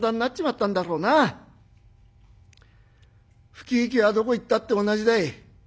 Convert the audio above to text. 不景気はどこ行ったって同じだい。